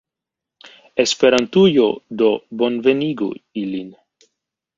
Esperantujo do bonvenigu ilin!